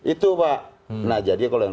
itu pak nah jadi kalau yang